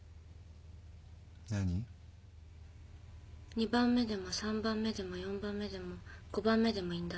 ２番目でも３番目でも４番目でも５番目でもいいんだ。